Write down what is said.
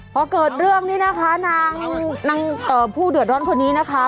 พอเกิดเรื่องนี้นะคะนางผู้เดือดร้อนคนนี้นะคะ